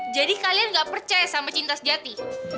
jadi kalian gak percaya sama cinta sejati